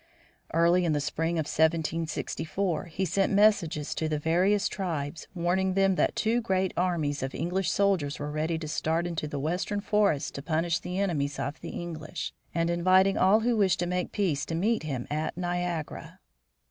Early in the spring of 1764 he sent messages to the various tribes, warning them that two great armies of English soldiers were ready to start into the western forest to punish the enemies of the English, and inviting all who wished to make peace to meet him at Niagara.